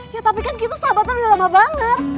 ya tapi kan kita sahabatnya udah lama banget